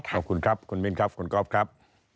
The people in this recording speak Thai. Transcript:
ขอบคุณครับคุณมินครับคุณก๊อฟครับ